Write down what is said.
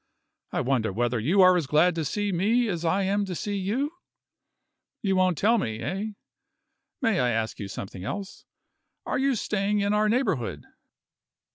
I wonder whether you are as glad to see me as I am to see you? You won't tell me eh? May I ask you something else? Are you staying in our neighborhood?"